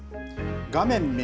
画面右。